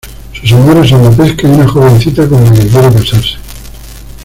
Sus amores son la pesca y una jovencita con la que quiere casarse.